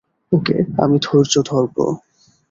ওকে, আমি ধৈর্য ধরব।